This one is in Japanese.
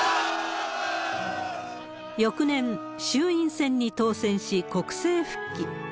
翌年、衆院選に当選し、国政復帰。